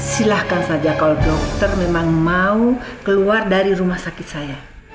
silahkan saja kalau dokter memang mau keluar dari rumah sakit saya